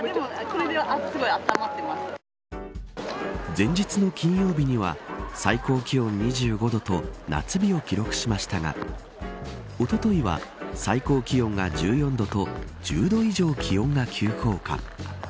前日の金曜日には最高気温２５度と夏日を記録しましたがおとといは最高気温が１４度と１０度以上気温が急降下。